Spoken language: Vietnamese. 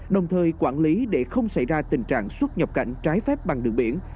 đồng thời quản lý để không xảy ra tình trạng xuất nhập cảnh trái phép bằng đường biển